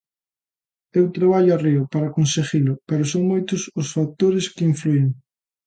Eu traballo arreo para conseguilo, pero son moitos os factores que inflúen.